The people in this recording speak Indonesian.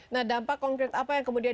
nah dampak konkret apa yang kemudian